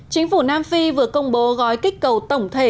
chính phủ nam phi vừa công bố gói kích cầu tổng thể